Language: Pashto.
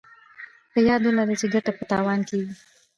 په ياد ولرئ چې ګټه په تاوان کېږي.